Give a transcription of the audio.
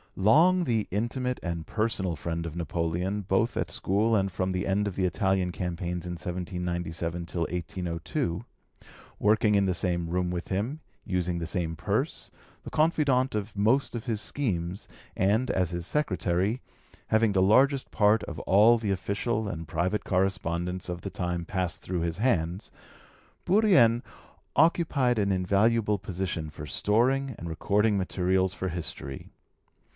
Long the intimate and personal friend of Napoleon both at school and from the end of the Italian campaigns in 1797 till 1802 working in the same room with him, using the same purse, the confidant of most of his schemes, and, as his secretary, having the largest part of all the official and private correspondence of the time passed through his hands, Bourrienne occupied an invaluable position for storing and recording materials for history.